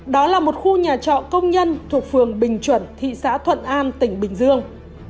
đó là một khu nhà trọ công nhân thuộc phường bình chuẩn thị xã thuận an tỉnh bình dương